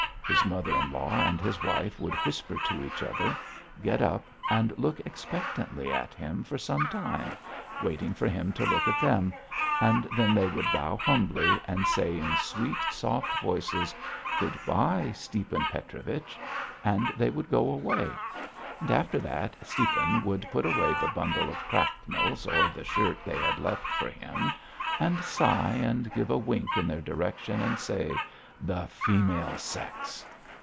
His mother in law and his wife would whisper to each other, get up and look expectantly at him for some time, waiting for him to look at them, and then they would bow humbly and say in sweet, soft voices: "Good bye, Stiepan Petrovich." And they would go away. After that, Stiepan would put away the bundle of cracknels or the shirt they had left for him and sigh and give a wink in their direction and say: "The female sex!"